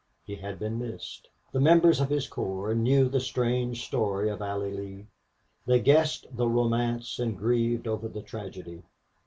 He had been missed. The members of his corps knew the strange story of Allie Lee; they guessed the romance and grieved over the tragedy.